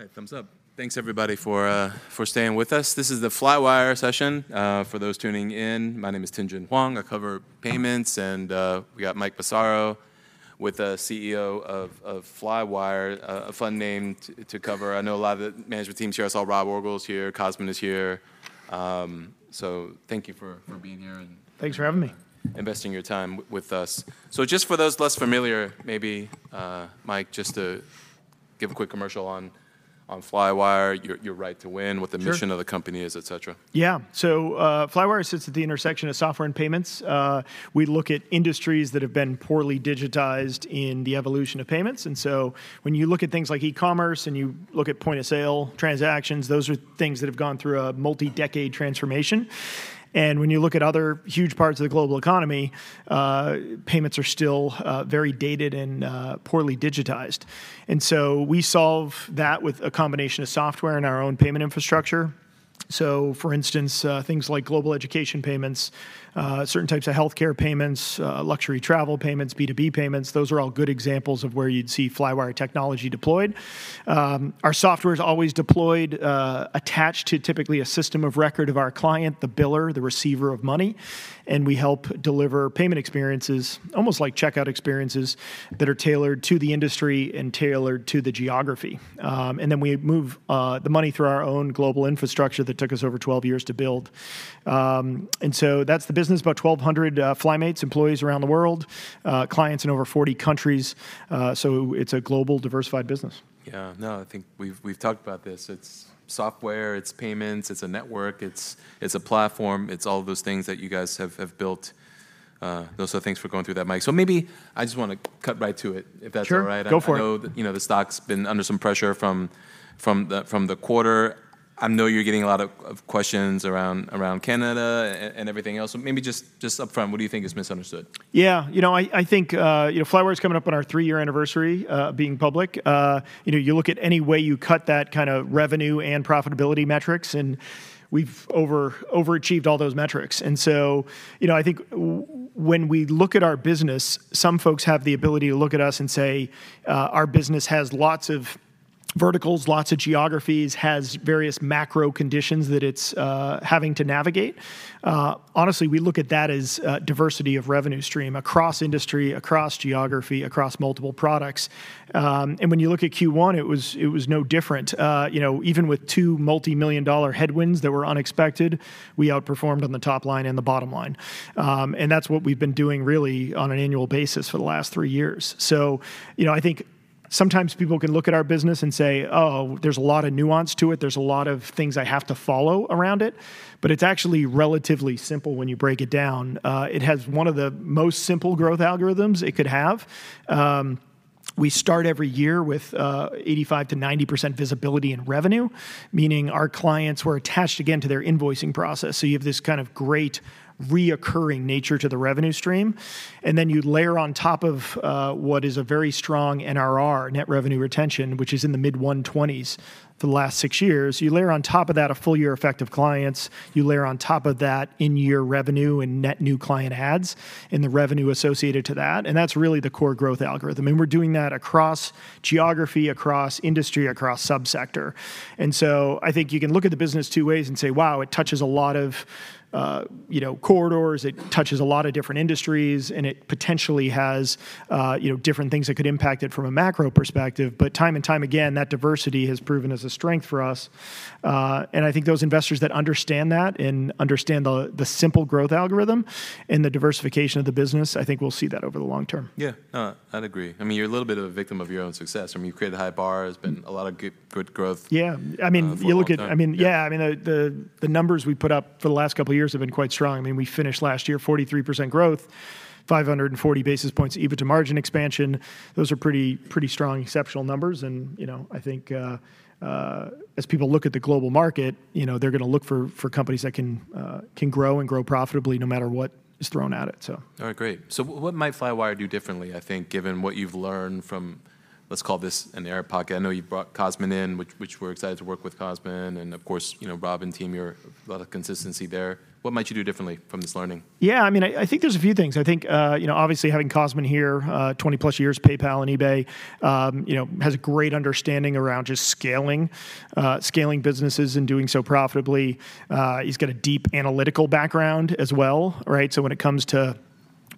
All right, thumbs up. Thanks, everybody, for staying with us. This is the Flywire session. For those tuning in, my name is Tien-tsin Huang. I cover payments, and we got Mike Massaro with us, CEO of Flywire, a fun name to cover. I know a lot of the management team's here. I saw Rob Orgel's here, Cosmin is here. So thank you for being here and- Thanks for having me. Investing your time with us. So just for those less familiar, maybe, Mike, just to give a quick commercial on Flywire, your right to win- Sure What the mission of the company is, et cetera. Yeah. So, Flywire sits at the intersection of software and payments. We look at industries that have been poorly digitized in the evolution of payments, and so when you look at things like e-commerce, and you look at point-of-sale transactions, those are things that have gone through a multi-decade transformation. And when you look at other huge parts of the global economy, payments are still very dated and poorly digitized. And so we solve that with a combination of software and our own payment infrastructure. So, for instance, things like global education payments, certain types of healthcare payments, luxury travel payments, B2B payments, those are all good examples of where you'd see Flywire technology deployed. Our software's always deployed, attached to typically a system of record of our client, the biller, the receiver of money, and we help deliver payment experiences, almost like checkout experiences, that are tailored to the industry and tailored to the geography. And then we move the money through our own global infrastructure that took us over 12 years to build. And so that's the business, about 1,200 FlyMates, employees around the world, clients in over 40 countries. So it's a global, diversified business. Yeah, no, I think we've, we've talked about this. It's software, it's payments, it's a network, it's, it's a platform, it's all those things that you guys have, have built. Those are the things we're going through that, Mike. So maybe I just wanna cut right to it, if that's all right. Sure, go for it. I know that, you know, the stock's been under some pressure from the quarter. I know you're getting a lot of questions around Canada and everything else, so maybe just upfront, what do you think is misunderstood? Yeah. You know, I think, you know, Flywire's coming up on our three-year anniversary, being public. You know, you look at any way you cut that kind of revenue and profitability metrics, and we've overachieved all those metrics. And so, you know, I think when we look at our business, some folks have the ability to look at us and say, our business has lots of verticals, lots of geographies, has various macro conditions that it's having to navigate. Honestly, we look at that as diversity of revenue stream across industry, across geography, across multiple products. And when you look at Q1, it was no different. You know, even with two multi-million dollar headwinds that were unexpected, we outperformed on the top line and the bottom line. And that's what we've been doing, really, on an annual basis for the last three years. So, you know, I think sometimes people can look at our business and say, "Oh, there's a lot of nuance to it. There's a lot of things I have to follow around it," but it's actually relatively simple when you break it down. It has one of the most simple growth algorithms it could have. We start every year with 85%-90% visibility in revenue, meaning our clients were attached again to their invoicing process, so you have this kind of great recurring nature to the revenue stream. And then you layer on top of what is a very strong NRR, net revenue retention, which is in the mid-120s for the last six years. You layer on top of that a full-year effect of clients, you layer on top of that in-year revenue and net new client adds and the revenue associated to that, and that's really the core growth algorithm, and we're doing that across geography, across industry, across sub-sector. And so I think you can look at the business two ways and say, "Wow, it touches a lot of, you know, corridors, it touches a lot of different industries, and it potentially has, you know, different things that could impact it from a macro perspective." But time and time again, that diversity has proven as a strength for us. And I think those investors that understand that and understand the simple growth algorithm and the diversification of the business, I think we'll see that over the long-term. Yeah. No, I'd agree. I mean, you're a little bit of a victim of your own success. I mean, you've created a high bar. There's been a lot of good, good growth- Yeah For a long time. I mean, you look at, I mean, yeah, I mean, the numbers we put up for the last couple of years have been quite strong. I mean, we finished last year 43% growth, 540 basis points, EBITDA margin expansion. Those are pretty, pretty strong, exceptional numbers and, you know, I think, as people look at the global market, you know, they're gonna look for, for companies that can, can grow and grow profitably, no matter what is thrown at it, so. All right, great. So what might Flywire do differently, I think, given what you've learned from, let's call this an error pocket? I know you've brought Cosmin in, which we're excited to work with Cosmin, and of course, you know, Rob and team, you're a lot of consistency there. What might you do differently from this learning? Yeah, I mean, I think there's a few things. I think, you know, obviously, having Cosmin here, 20-plus years, PayPal and eBay, you know, has a great understanding around just scaling, scaling businesses and doing so profitably. He's got a deep analytical background as well, right? So when it comes to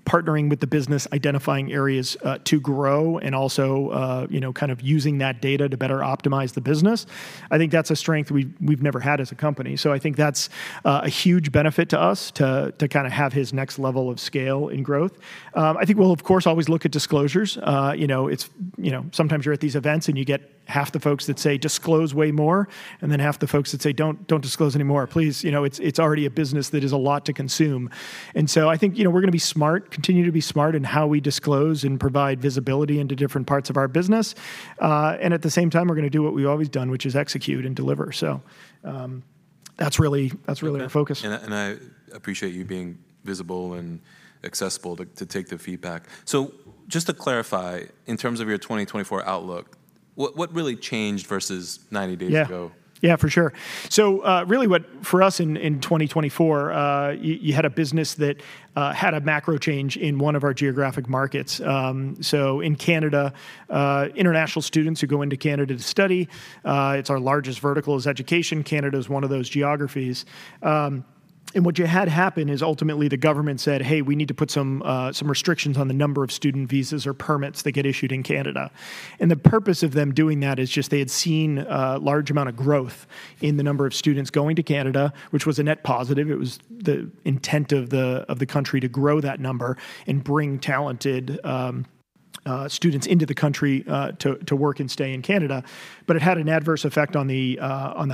partnering with the business, identifying areas, to grow, and also, you know, kind of using that data to better optimize the business, I think that's a strength we've never had as a company. So I think that's a huge benefit to us to kinda have his next level of scale and growth. I think we'll, of course, always look at disclosures. You know, sometimes you're at these events and you get half the folks that say, "Disclose way more," and then half the folks that say, "Don't, don't disclose any more, please." You know, it's already a business that is a lot to consume. So I think, you know, we're gonna be smart, continue to be smart in how we disclose and provide visibility into different parts of our business, and at the same time, we're gonna do what we've always done, which is execute and deliver. So, that's really our focus. I appreciate you being visible and accessible to take the feedback. Just to clarify, in terms of your 2024 outlook, what really changed versus 90 days ago? Yeah. Yeah, for sure. So, really what, for us in 2024, you had a business that had a macro change in one of our geographic markets. So in Canada, international students who go into Canada to study, it's our largest vertical, is education. Canada is one of those geographies. And what you had happen is ultimately the government said, "Hey, we need to put some restrictions on the number of student visas or permits that get issued in Canada." And the purpose of them doing that is just they had seen a large amount of growth in the number of students going to Canada, which was a net positive. It was the intent of the country to grow that number and bring talented students into the country to work and stay in Canada, but it had an adverse effect on the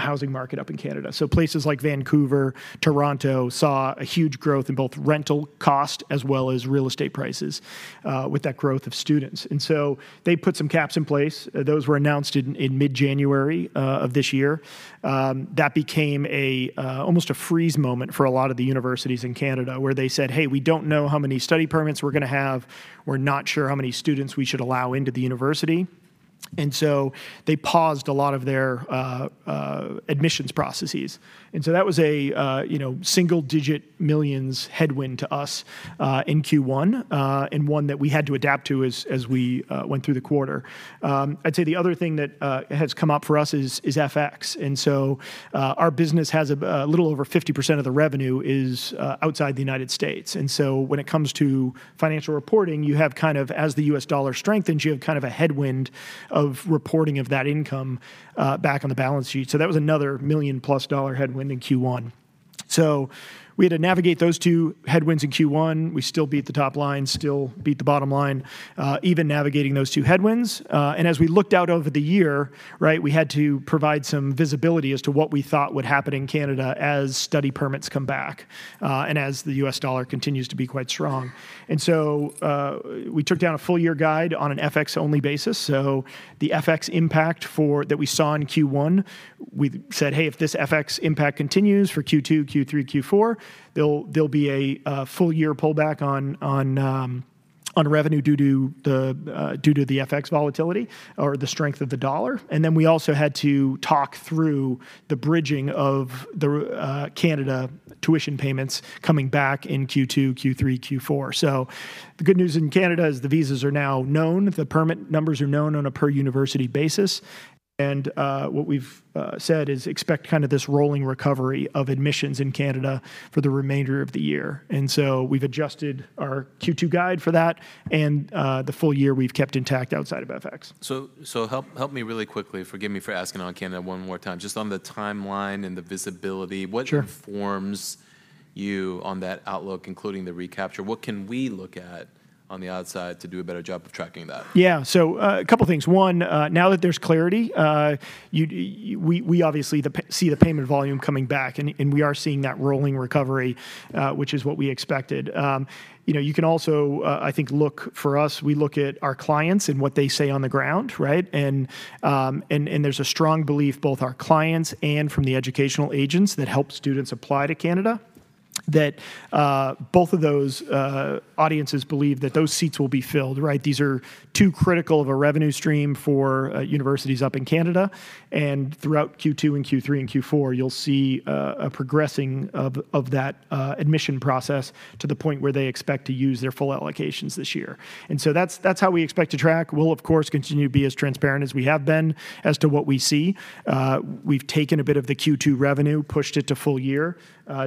housing market up in Canada. So places like Vancouver, Toronto, saw a huge growth in both rental cost as well as real estate prices with that growth of students. And so they put some caps in place. Those were announced in mid-January of this year. That became almost a freeze moment for a lot of the universities in Canada, where they said, "Hey, we don't know how many study permits we're gonna have. We're not sure how many students we should allow into the university." And so they paused a lot of their admissions processes. That was a, you know, single-digit $millions headwind to us in Q1, and one that we had to adapt to as we went through the quarter. I'd say the other thing that has come up for us is FX. Our business has a little over 50% of the revenue is outside the United States. When it comes to financial reporting, you have kind of, as the U.S. dollar strengthens, you have kind of a headwind of reporting of that income back on the balance sheet. That was another $1 million-plus headwind in Q1. We had to navigate those two headwinds in Q1. We still beat the top line, still beat the bottom line, even navigating those two headwinds. As we looked out over the year, right, we had to provide some visibility as to what we thought would happen in Canada as study permits come back, and as the U.S. dollar continues to be quite strong. So, we took down a full year guide on an FX-only basis. So the FX impact that we saw in Q1, we said, "Hey, if this FX impact continues for Q2, Q3, Q4, there'll be a full year pullback on revenue due to the FX volatility or the strength of the dollar." And then we also had to talk through the bridging of Canada tuition payments coming back in Q2, Q3, Q4. So the good news in Canada is the visas are now known, the permit numbers are known on a per university basis, and what we've said is expect kind of this rolling recovery of admissions in Canada for the remainder of the year. And so we've adjusted our Q2 guide for that, and the full year we've kept intact outside of FX. So, help me really quickly, forgive me for asking on Canada one more time, just on the timeline and the visibility- Sure. What informs you on that outlook, including the recapture? What can we look at on the outside to do a better job of tracking that? Yeah. So, a couple things. One, now that there's clarity, we obviously see the payment volume coming back, and we are seeing that rolling recovery, which is what we expected. You know, you can also, I think, look for us, we look at our clients and what they say on the ground, right? And there's a strong belief, both our clients and from the educational agents that help students apply to Canada, that both of those audiences believe that those seats will be filled, right? These are too critical of a revenue stream for universities up in Canada, and throughout Q2 and Q3 and Q4, you'll see a progressing of that admission process to the point where they expect to use their full allocations this year. And so that's, that's how we expect to track. We'll, of course, continue to be as transparent as we have been as to what we see. We've taken a bit of the Q2 revenue, pushed it to full year,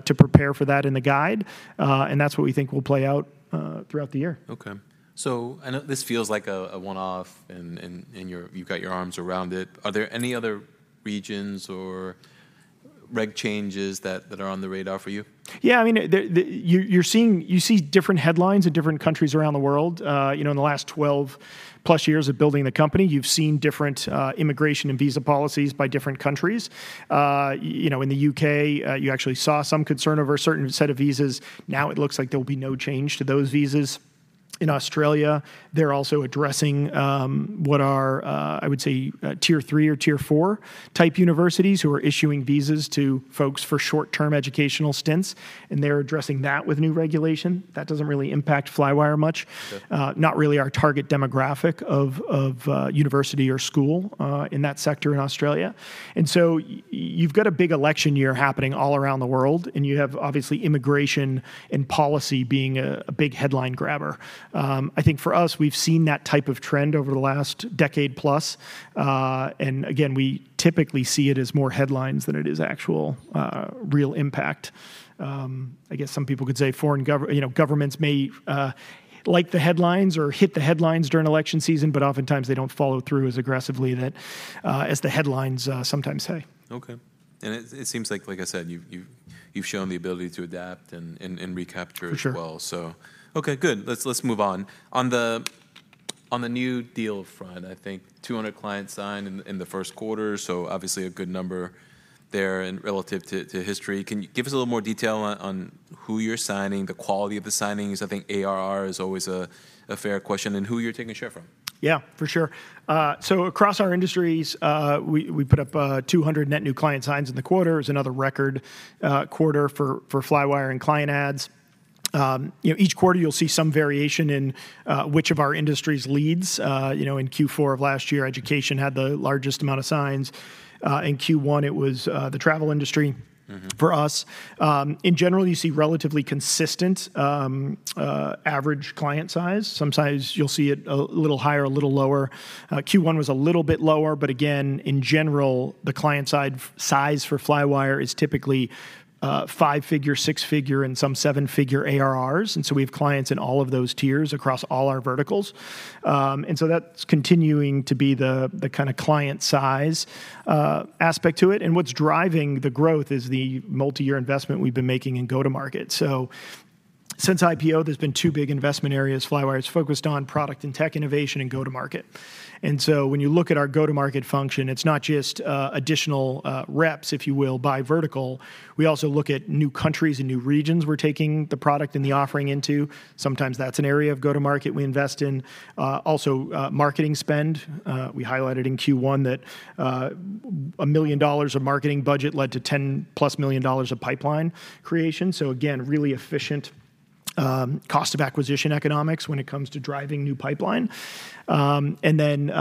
to prepare for that in the guide, and that's what we think will play out throughout the year. Okay. So I know this feels like a one-off, and you're... you've got your arms around it. Are there any other regions or reg changes that are on the radar for you? Yeah, I mean, you see different headlines in different countries around the world. You know, in the last 12+ years of building the company, you've seen different immigration and visa policies by different countries. You know, in the U.K., you actually saw some concern over a certain set of visas. Now it looks like there will be no change to those visas. In Australia, they're also addressing, I would say, tier 3 or tier 4 type universities who are issuing visas to folks for short-term educational stints, and they're addressing that with new regulation. That doesn't really impact Flywire much- Okay Not really our target demographic of university or school in that sector in Australia. And so you've got a big election year happening all around the world, and you have, obviously, immigration and policy being a big headline grabber. I think for us, we've seen that type of trend over the last decade plus. And again, we typically see it as more headlines than it is actual real impact. I guess some people could say foreign governments may, you know, like the headlines or hit the headlines during election season, but oftentimes they don't follow through as aggressively as the headlines sometimes say. Okay. And it seems like, like I said, you've shown the ability to adapt and recapture as well. For sure. So okay, good. Let's, let's move on. On the, on the new deal front, I think 200 clients signed in, in the first quarter, so obviously a good number there and relative to, to history. Can you give us a little more detail on, on who you're signing, the quality of the signings? I think ARR is always a, a fair question, and who you're taking a share from. Yeah, for sure. So across our industries, we put up 200 net new client adds in the quarter. It's another record quarter for Flywire and client adds. You know, each quarter you'll see some variation in which of our industries leads. You know, in Q4 of last year, education had the largest amount of adds. In Q1, it was the travel industry- Mm-hmm For us. In general, you see relatively consistent average client size. Sometimes you'll see it a little higher, a little lower. Q1 was a little bit lower, but again, in general, the client size for Flywire is typically five-figure, six-figure, and some seven-figure ARRs, and so we have clients in all of those tiers across all our verticals. And so that's continuing to be the kind of client size aspect to it. And what's driving the growth is the multi-year investment we've been making in go-to-market. So since IPO, there's been 2 big investment areas. Flywire is focused on product and tech innovation and go-to-market. And so when you look at our go-to-market function, it's not just additional reps, if you will, by vertical. We also look at new countries and new regions we're taking the product and the offering into. Sometimes that's an area of go-to-market we invest in. Also, marketing spend. We highlighted in Q1 that $1 million of marketing budget led to $10+ million of pipeline creation. So again, really efficient, cost of acquisition economics when it comes to driving new pipeline. And then,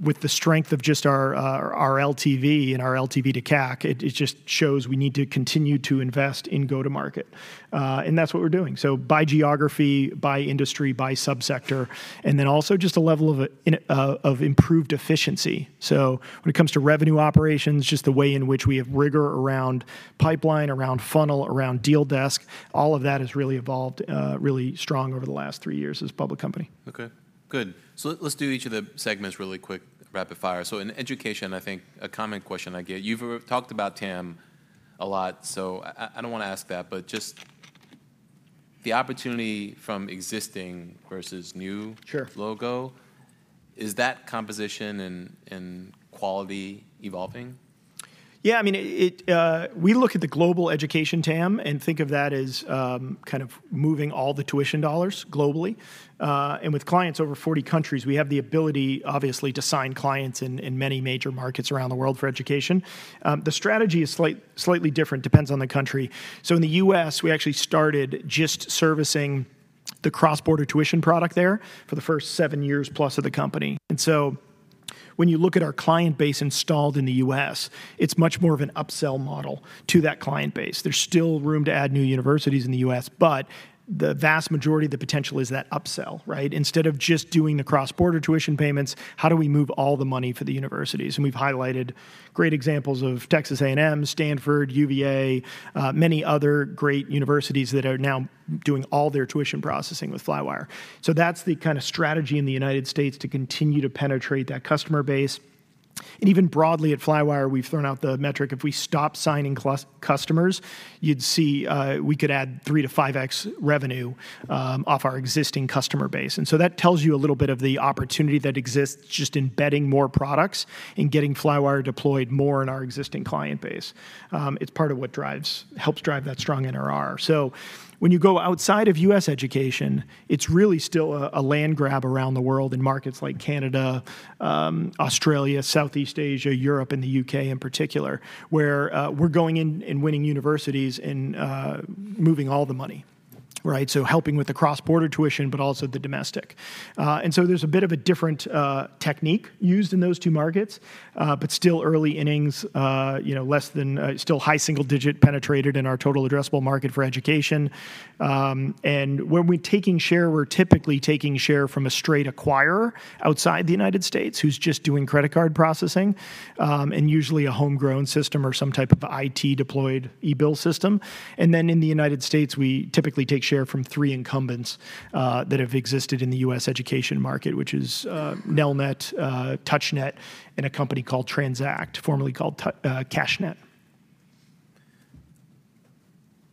with the strength of just our, our LTV and our LTV to CAC, it just shows we need to continue to invest in go-to-market, and that's what we're doing. So by geography, by industry, by subsector, and then also just a level of, in, of improved efficiency. When it comes to revenue operations, just the way in which we have rigor around pipeline, around funnel, around Deal Desk, all of that has really evolved, really strong over the last three years as a public company. Okay, good. So let's do each of the segments really quick, rapid fire. So in education, I think a common question I get, you've talked about TAM a lot, so I don't wanna ask that, but just the opportunity from existing versus new- Sure Logo, is that composition and quality evolving? Yeah, I mean, we look at the global education TAM and think of that as kind of moving all the tuition dollars globally. And with clients over 40 countries, we have the ability, obviously, to sign clients in many major markets around the world for education. The strategy is slightly different, depends on the country. So in the U.S., we actually started just servicing the cross-border tuition product there for the first 7 years plus of the company. And so when you look at our client base installed in the U.S., it's much more of an upsell model to that client base. There's still room to add new universities in the U.S., but the vast majority of the potential is that upsell, right? Instead of just doing the cross-border tuition payments, how do we move all the money for the universities? And we've highlighted great examples of Texas A&M, Stanford, UVA, many other great universities that are now doing all their tuition processing with Flywire. So that's the kind of strategy in the United States to continue to penetrate that customer base. And even broadly at Flywire, we've thrown out the metric, if we stop signing customers, you'd see, we could add 3-5x revenue off our existing customer base. And so that tells you a little bit of the opportunity that exists, just embedding more products and getting Flywire deployed more in our existing client base. It's part of what drives... helps drive that strong NRR. So when you go outside of U.S. education, it's really still a land grab around the world in markets like Canada, Australia, Southeast Asia, Europe, and the U.K. in particular, where we're going in and winning universities and moving all the money, right? So helping with the cross-border tuition, but also the domestic. And so there's a bit of a different technique used in those two markets, but still early innings, you know, less than still high single digit penetrated in our total addressable market for education. And when we're taking share, we're typically taking share from a straight acquirer outside the United States, who's just doing credit card processing, and usually a homegrown system or some type of IT-deployed e-bill system. In the United States, we typically take share from three incumbents that have existed in the U.S. education market, which is Nelnet, TouchNet, and a company called Transact, formerly called Cashnet.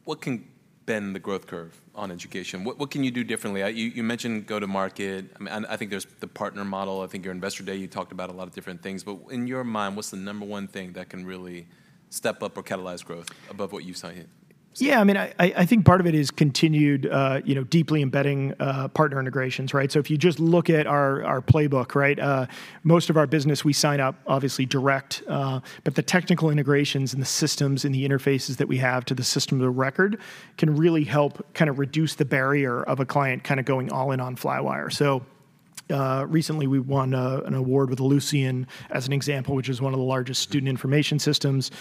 What can bend the growth curve on education? What can you do differently? You mentioned go-to-market. I mean, and I think there's the partner model. I think your Investor Day, you talked about a lot of different things. But in your mind, what's the number one thing that can really step up or catalyze growth above what you've seen? Yeah, I mean, I think part of it is continued, you know, deeply embedding partner integrations, right? So if you just look at our playbook, right? Most of our business, we sign up obviously direct, but the technical integrations and the systems and the interfaces that we have to the system of the record can really help kind of reduce the barrier of a client kind of going all in on Flywire. So, recently, we won an award with Ellucian as an example, which is one of the largest student information systems.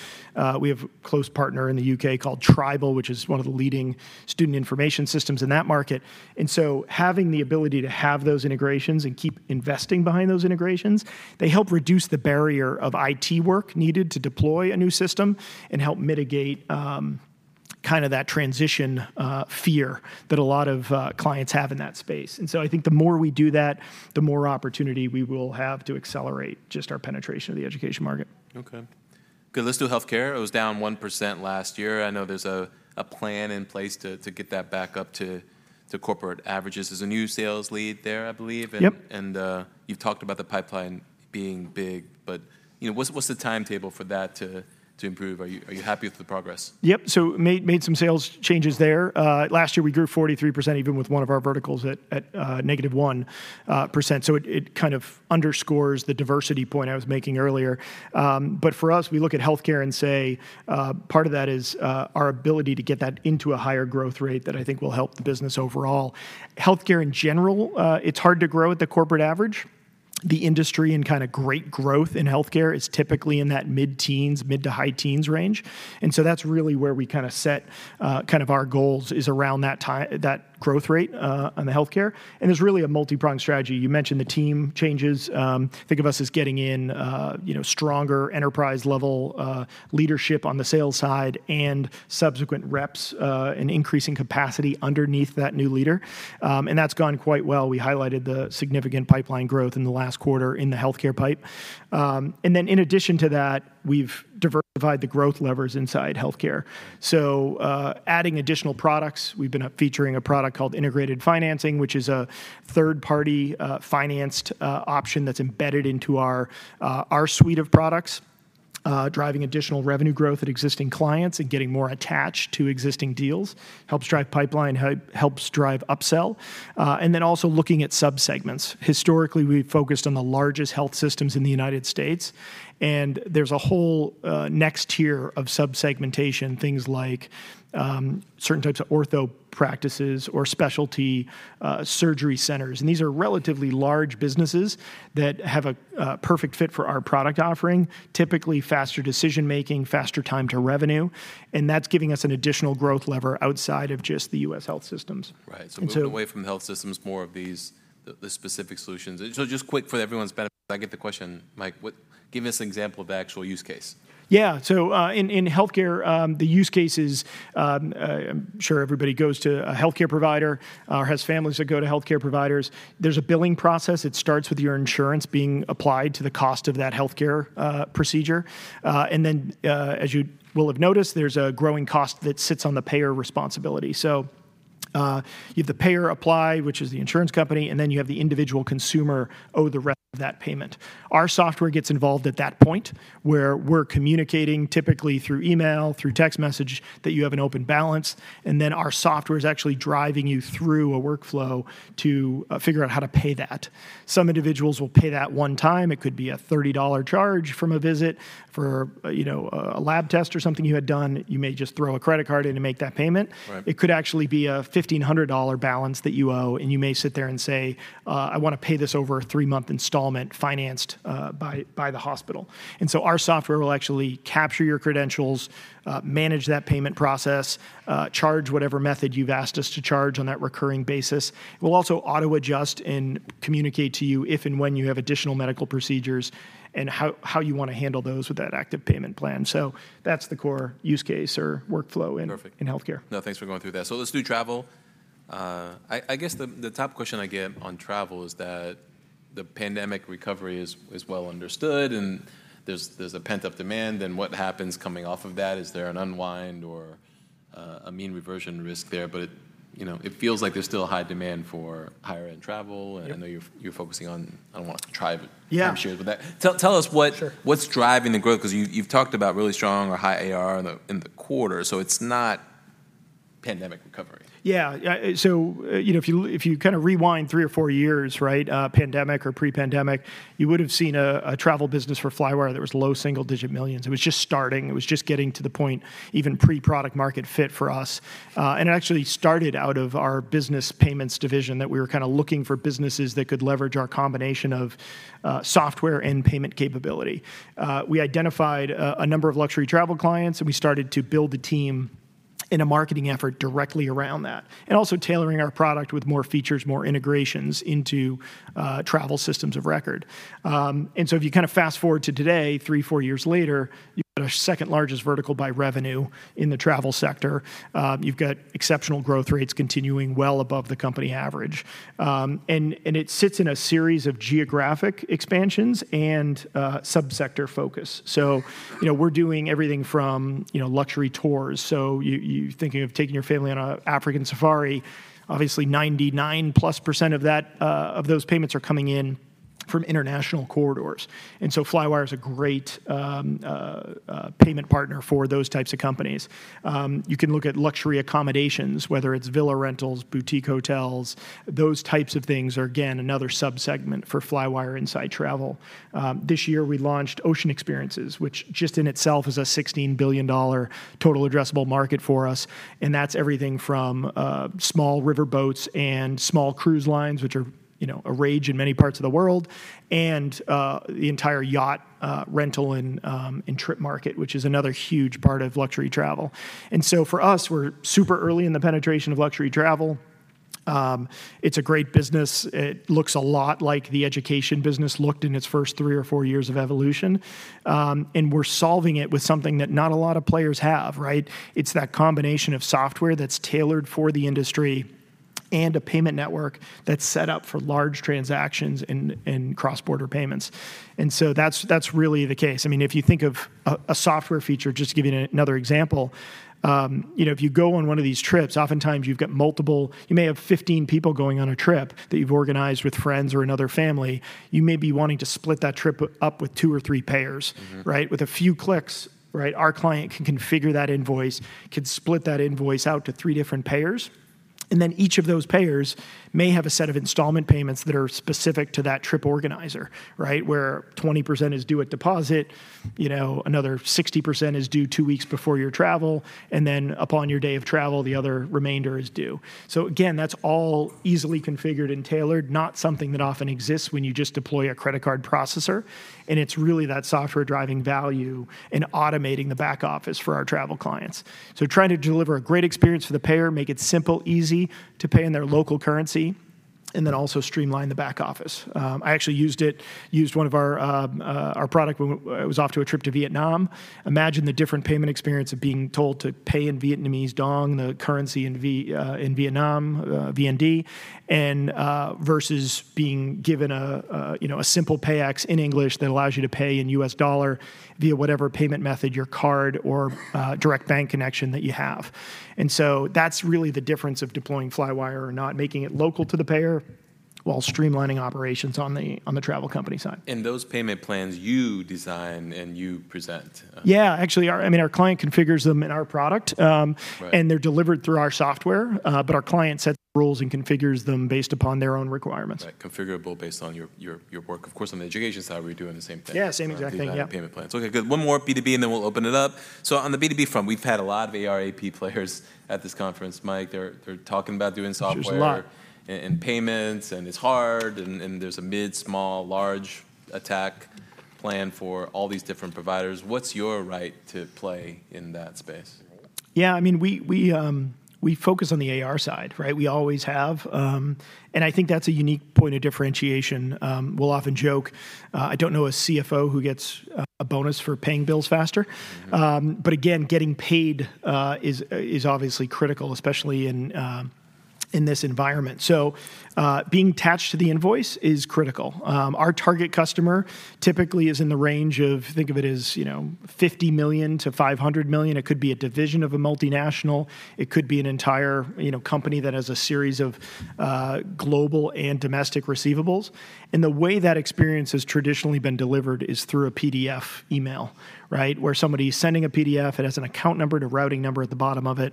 We have a close partner in the U.K. called Tribal, which is one of the leading student information systems in that market. And so having the ability to have those integrations and keep investing behind those integrations, they help reduce the barrier of IT work needed to deploy a new system and help mitigate kind of that transition fear that a lot of clients have in that space. And so I think the more we do that, the more opportunity we will have to accelerate just our penetration of the education market. Okay. Good. Let's do healthcare. It was down 1% last year. I know there's a plan in place to get that back up to corporate averages. There's a new sales lead there, I believe. Yep. You've talked about the pipeline being big, but you know, what's the timetable for that to improve? Are you happy with the progress? Yep. So made some sales changes there. Last year, we grew 43%, even with one of our verticals at -1%. So it kind of underscores the diversity point I was making earlier. But for us, we look at healthcare and say, part of that is our ability to get that into a higher growth rate that I think will help the business overall. Healthcare in general, it's hard to grow at the corporate average, the industry and kind of great growth in healthcare is typically in that mid-teens, mid- to high-teens range. And so that's really where we kind of set kind of our goals, is around that growth rate on the healthcare. And it's really a multi-pronged strategy. You mentioned the team changes. Think of us as getting in, you know, stronger enterprise-level leadership on the sales side and subsequent reps, and increasing capacity underneath that new leader. And that's gone quite well. We highlighted the significant pipeline growth in the last quarter in the healthcare pipe. And then in addition to that, we've diversified the growth levers inside healthcare, so, adding additional products. We've been up featuring a product called Integrated Financing, which is a third-party financed option that's embedded into our our suite of products, driving additional revenue growth at existing clients and getting more attached to existing deals, helps drive pipeline, helps drive upsell. And then also looking at subsegments. Historically, we've focused on the largest health systems in the United States, and there's a whole, next tier of sub-segmentation, things like, certain types of ortho practices or specialty, surgery centers. These are relatively large businesses that have a, a perfect fit for our product offering, typically faster decision-making, faster time to revenue, and that's giving us an additional growth lever outside of just the U.S. health systems. Right. And so- So moving away from health systems, more of these, the specific solutions. So just quick, for everyone's benefit, I get the question, Mike, what... Give us an example of the actual use case. Yeah. So, in healthcare, the use cases, I'm sure everybody goes to a healthcare provider or has families that go to healthcare providers. There's a billing process. It starts with your insurance being applied to the cost of that healthcare procedure. And then, as you will have noticed, there's a growing cost that sits on the payer responsibility. So, you have the payer apply, which is the insurance company, and then you have the individual consumer owe the rest of that payment. Our software gets involved at that point, where we're communicating, typically through email, through text message, that you have an open balance, and then our software is actually driving you through a workflow to figure out how to pay that. Some individuals will pay that one time. It could be a $30 charge from a visit for, you know, a lab test or something you had done. You may just throw a credit card in to make that payment. Right. It could actually be a $1,500 balance that you owe, and you may sit there and say, "I wanna pay this over a three-month installment financed by the hospital." So our software will actually capture your credentials, manage that payment process, charge whatever method you've asked us to charge on that recurring basis. It will also auto-adjust and communicate to you if and when you have additional medical procedures, and how you wanna handle those with that active payment plan. So that's the core use case or workflow in- Perfect In healthcare. No, thanks for going through that. So let's do travel. I guess the top question I get on travel is that the pandemic recovery is well understood, and there's a pent-up demand, then what happens coming off of that? Is there an unwind or a mean reversion risk there? But, you know, it feels like there's still a high demand for higher-end travel- Yeah And I know you're focusing on, I don't want to try to- Yeah Share with that. Tell us what- Sure What's driving the growth, 'cause you, you've talked about really strong or high AR in the quarter, so it's not pandemic recovery? Yeah. Yeah, so, you know, if you, if you kind of rewind 3 or 4 years, right, pandemic or pre-pandemic, you would've seen a travel business for Flywire that was low single-digit $ millions. It was just starting. It was just getting to the point, even pre-product market fit for us. And it actually started out of our business payments division, that we were kind of looking for businesses that could leverage our combination of, software and payment capability. We identified a number of luxury travel clients, and we started to build the team in a marketing effort directly around that, and also tailoring our product with more features, more integrations into, travel systems of record. And so if you kind of fast-forward to today, 3, 4 years later, you've got our second-largest vertical by revenue in the travel sector. You've got exceptional growth rates continuing well above the company average. And it sits in a series of geographic expansions and subsector focus. So, you know, we're doing everything from, you know, luxury tours. So you're thinking of taking your family on an African safari, obviously, 99%+ of that, of those payments are coming in from international corridors, and so Flywire is a great payment partner for those types of companies. You can look at luxury accommodations, whether it's villa rentals, boutique hotels. Those types of things are, again, another subsegment for Flywire inside travel. This year we launched Ocean Experiences, which just in itself is a $16 billion total addressable market for us, and that's everything from small riverboats and small cruise lines, which are, you know, a rage in many parts of the world, and the entire yacht rental and trip market, which is another huge part of luxury travel. And so for us, we're super early in the penetration of luxury travel. It's a great business. It looks a lot like the education business looked in its first three or four years of evolution, and we're solving it with something that not a lot of players have, right? It's that combination of software that's tailored for the industry and a payment network that's set up for large transactions and cross-border payments. And so that's really the case. I mean, if you think of a software feature, just to give you another example, you know, if you go on one of these trips, oftentimes you've got multiple- you may have 15 people going on a trip that you've organized with friends or another family. You may be wanting to split that trip up with two or three payers- Mm-hmm Right? With a few clicks, right, our client can configure that invoice, could split that invoice out to three different payers... and then each of those payers may have a set of installment payments that are specific to that trip organizer, right? Where 20% is due at deposit, you know, another 60% is due two weeks before your travel, and then upon your day of travel, the other remainder is due. So again, that's all easily configured and tailored, not something that often exists when you just deploy a credit card processor, and it's really that software driving value and automating the back office for our travel clients. So trying to deliver a great experience for the payer, make it simple, easy to pay in their local currency, and then also streamline the back office. I actually used it, used one of our, our product when I was off to a trip to Vietnam. Imagine the different payment experience of being told to pay in Vietnamese đồng, the currency in Vietnam, VND, versus being given a, you know, a simple pay ax in English that allows you to pay in US dollar via whatever payment method, your card or, direct bank connection that you have. And so that's really the difference of deploying Flywire or not, making it local to the payer while streamlining operations on the travel company side. Those payment plans you design and you present? Yeah. Actually, our, I mean, our client configures them in our product. Right And they're delivered through our software, but our client sets the rules and configures them based upon their own requirements. Right, configurable based on your work. Of course, on the education side, we're doing the same thing. Yeah, same exact thing. Yeah. Payment plans. Okay, good. One more B2B, and then we'll open it up. So on the B2B front, we've had a lot of AR/AP players at this conference, Mike. They're, they're talking about doing software- There's a lot. And payments, and it's hard, and there's a mid, small, large attack plan for all these different providers. What's your right to play in that space? Yeah, I mean, we focus on the AR side, right? We always have. I think that's a unique point of differentiation. We'll often joke, "I don't know a CFO who gets a bonus for paying bills faster. Mm-hmm. But again, getting paid is obviously critical, especially in this environment. So, being attached to the invoice is critical. Our target customer typically is in the range of, think of it as, you know, $50 million-$500 million. It could be a division of a multinational, it could be an entire, you know, company that has a series of global and domestic receivables, and the way that experience has traditionally been delivered is through a PDF email, right? Where somebody is sending a PDF, it has an account number and a routing number at the bottom of it,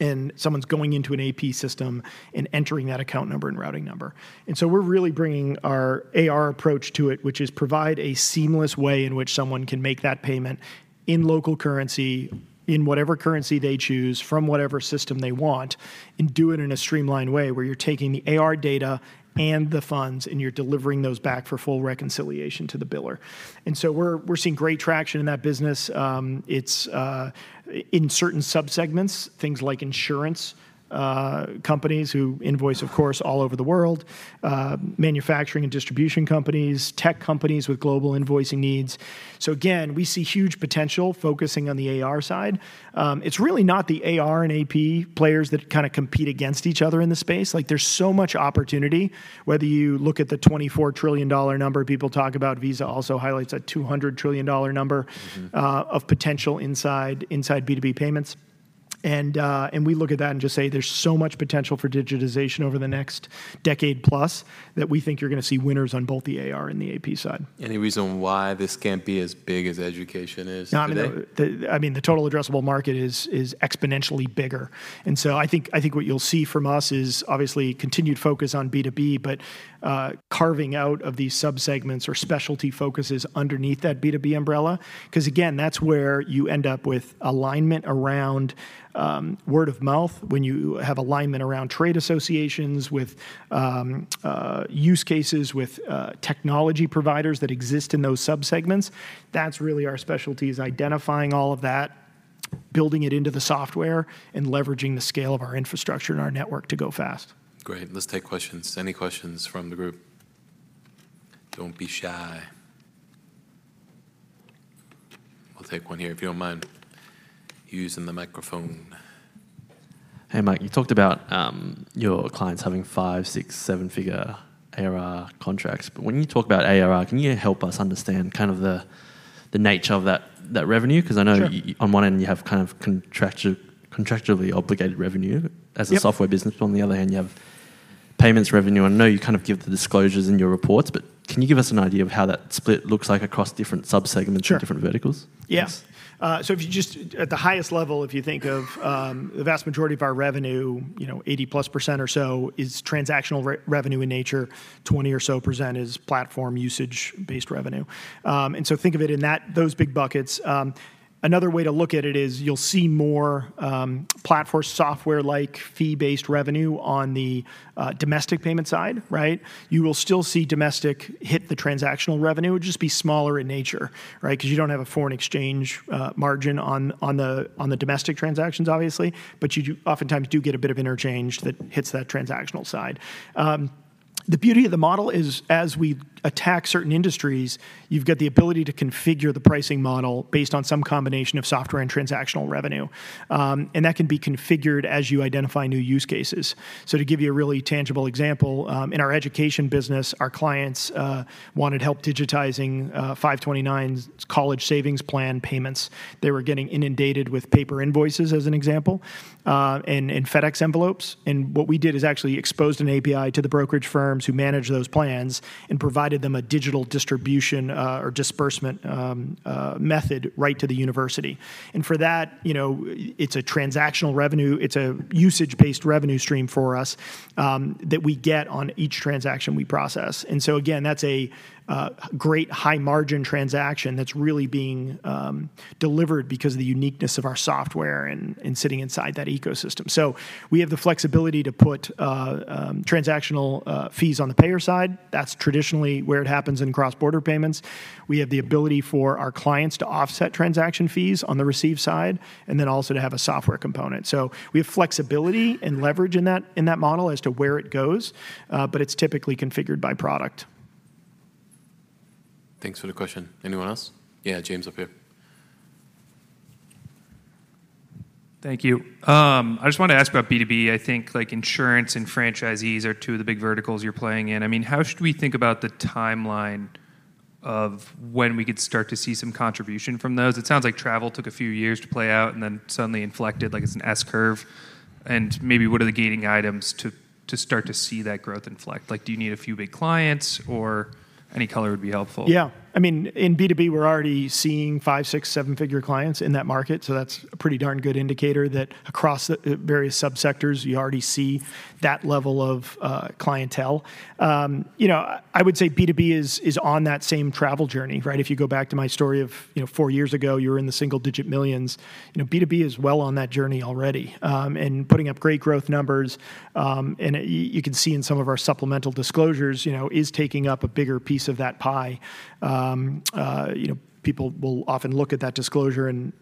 and someone's going into an AP system and entering that account number and routing number. And so we're really bringing our AR approach to it, which is provide a seamless way in which someone can make that payment in local currency, in whatever currency they choose, from whatever system they want, and do it in a streamlined way where you're taking the AR data and the funds, and you're delivering those back for full reconciliation to the biller. And so we're seeing great traction in that business. It's in certain subsegments, things like insurance companies who invoice, of course, all over the world, manufacturing and distribution companies, tech companies with global invoicing needs. So again, we see huge potential focusing on the AR side. It's really not the AR and AP players that kind of compete against each other in the space. Like, there's so much opportunity, whether you look at the $24 trillion number people talk about. Visa also highlights a $200 trillion number- Mm-hmm Of potential inside B2B payments. And we look at that and just say, "There's so much potential for digitization over the next decade plus, that we think you're gonna see winners on both the AR and the AP side. Any reason why this can't be as big as education is today? No, I mean, the Total Addressable Market is exponentially bigger. And so I think what you'll see from us is obviously continued focus on B2B, but carving out of these subsegments or specialty focuses underneath that B2B umbrella, 'cause again, that's where you end up with alignment around word of mouth. When you have alignment around trade associations, with use cases, with technology providers that exist in those subsegments, that's really our specialty, is identifying all of that, building it into the software, and leveraging the scale of our infrastructure and our network to go fast. Great. Let's take questions. Any questions from the group? Don't be shy. I'll take one here, if you don't mind using the microphone. Hey, Mike, you talked about your clients having 5, 6, 7-figure ARR contracts, but when you talk about ARR, can you help us understand kind of the nature of that revenue? Sure. 'Cause I know on one end, you have kind of contractually obligated revenue- Yep As a software business, but on the other hand, you have payments revenue. I know you kind of give the disclosures in your reports, but can you give us an idea of how that split looks like across different subsegments- Sure And different verticals? Yes. Thanks. So if you just, at the highest level, if you think of the vast majority of our revenue, you know, 80%+ or so is transactional revenue in nature, 20% or so is platform usage-based revenue. And so think of it in that, those big buckets. Another way to look at it is, you'll see more platform software like fee-based revenue on the domestic payment side, right? You will still see domestic hit the transactional revenue. It would just be smaller in nature, right? 'Cause you don't have a foreign exchange margin on the domestic transactions, obviously, but you do oftentimes get a bit of interchange that hits that transactional side. The beauty of the model is as we attack certain industries, you've got the ability to configure the pricing model based on some combination of software and transactional revenue. And that can be configured as you identify new use cases. So to give you a really tangible example, in our education business, our clients wanted help digitizing 529's College Savings Plan payments. They were getting inundated with paper invoices, as an example, and FedEx envelopes. And what we did is actually exposed an API to the brokerage firms who manage those plans and provided them a digital distribution or disbursement method right to the university. And for that, you know, it's a transactional revenue, it's a usage-based revenue stream for us, that we get on each transaction we process. And so again, that's a great high-margin transaction that's really being delivered because of the uniqueness of our software and sitting inside that ecosystem. So we have the flexibility to put transactional fees on the payer side. That's traditionally where it happens in cross-border payments. We have the ability for our clients to offset transaction fees on the receive side, and then also to have a software component. So we have flexibility and leverage in that model as to where it goes, but it's typically configured by product. Thanks for the question. Anyone else? Yeah, James, up here. Thank you. I just want to ask about B2B. I think, like, insurance and franchisees are two of the big verticals you're playing in. I mean, how should we think about the timeline of when we could start to see some contribution from those? It sounds like travel took a few years to play out and then suddenly inflected, like it's an S curve. And maybe what are the gating items to start to see that growth inflect? Like, do you need a few big clients, or any color would be helpful. Yeah. I mean, in B2B, we're already seeing $5-, $6-, $7-figure clients in that market, so that's a pretty darn good indicator that across the various subsectors, you already see that level of clientele. You know, I would say B2B is on that same travel journey, right? If you go back to my story of, you know, 4 years ago, you were in the $1 million-$9 million. You know, B2B is well on that journey already, and putting up great growth numbers, and you can see in some of our supplemental disclosures, you know, is taking up a bigger piece of that pie. You know, people will often look at that disclosure and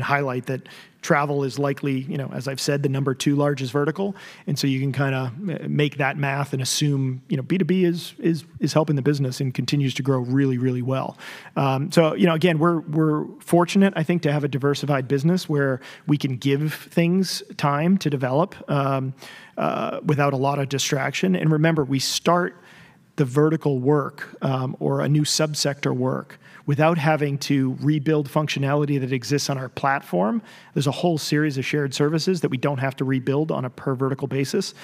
highlight that travel is likely, you know, as I've said, the number two largest vertical. And so you can kinda make that math and assume, you know, B2B is helping the business and continues to grow really, really well. So, you know, again, we're fortunate, I think, to have a diversified business where we can give things time to develop without a lot of distraction. And remember, we start the vertical work or a new subsector work without having to rebuild functionality that exists on our platform. There's a whole series of shared services that we don't have to rebuild on a per vertical basis,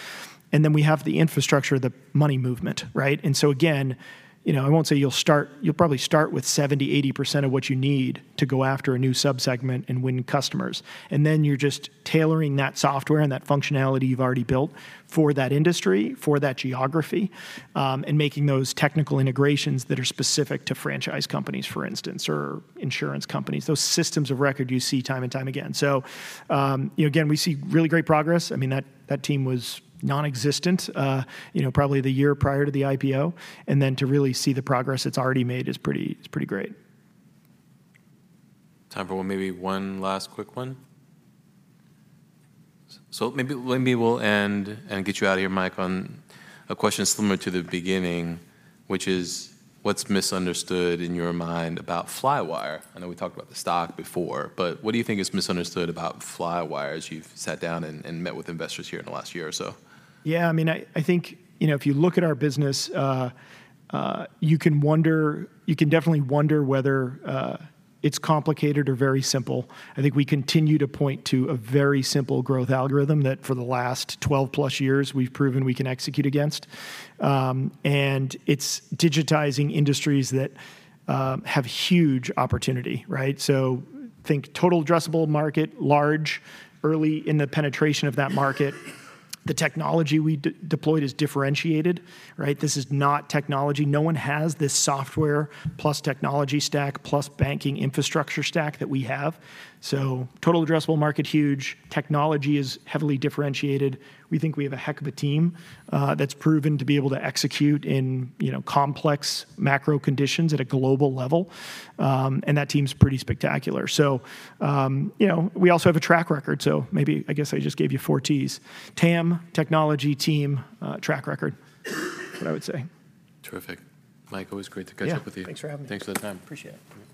and then we have the infrastructure, the money movement, right? And so again, you know, I won't say you'll start. You'll probably start with 70%-80% of what you need to go after a new subsegment and win customers. And then you're just tailoring that software and that functionality you've already built for that industry, for that geography, and making those technical integrations that are specific to franchise companies, for instance, or insurance companies, those systems of record you see time and time again. So, you know, again, we see really great progress. I mean, that, that team was nonexistent, you know, probably the year prior to the IPO, and then to really see the progress it's already made is pretty, it's pretty great. Time for, well, maybe one last quick one. So maybe, maybe we'll end and get you out of here, Mike, on a question similar to the beginning, which is, what's misunderstood in your mind about Flywire? I know we talked about the stock before, but what do you think is misunderstood about Flywire as you've sat down and, and met with investors here in the last year or so? Yeah, I mean, I, I think, you know, if you look at our business, you can definitely wonder whether it's complicated or very simple. I think we continue to point to a very simple growth algorithm that for the last 12+ years, we've proven we can execute against. And it's digitizing industries that have huge opportunity, right? So think total addressable market, large, early in the penetration of that market. The technology we deployed is differentiated, right? This is not technology. No one has this software, plus technology stack, plus banking infrastructure stack that we have. So total addressable market, huge. Technology is heavily differentiated. We think we have a heck of a team that's proven to be able to execute in, you know, complex macro conditions at a global level, and that team's pretty spectacular. So, you know, we also have a track record, so maybe I guess I just gave you four Ts: TAM, technology, team, track record, what I would say. Terrific. Mike, always great to catch up with you. Yeah, thanks for having me. Thanks for the time. Appreciate it.